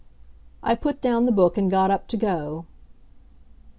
I put down the book and got up to go.